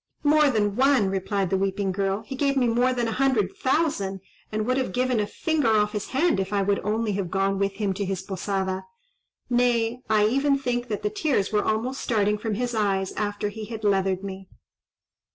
"More than one!" replied the weeping girl; "he gave me more than a hundred thousand, and would have given a finger off his hand if I would only have gone with him to his posada; nay, I even think that the tears were almost starting from his eyes after he had leathered me."